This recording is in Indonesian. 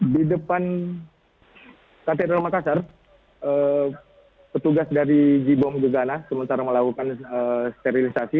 di depan katedral makassar petugas dari j bom gegana sementara melakukan sterilisasi